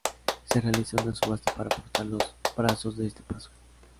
Se realiza una subasta para portar los brazos de este paso.